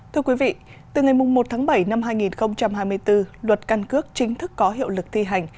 thưa quý vị từ ngày một tháng bảy năm hai nghìn hai mươi bốn luật căn cước chính thức có hiệu lực thi hành